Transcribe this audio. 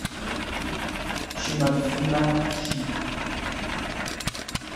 下妻市 Shimotsuma-shi